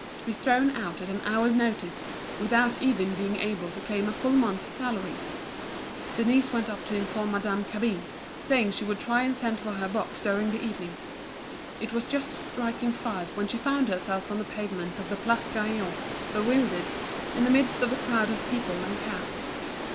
to be thrown out at an hour's notice, without even being able to claim a full month's salary. Denise went up to inform Madame Cabin, saying that she would try and send for her box during the evening. It was just striking five when she found herself on the pavement of the Place Gaillon, bewildered, in the midst of the crowd of people and cabs.